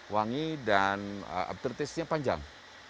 wangi dan aptretisnya panjang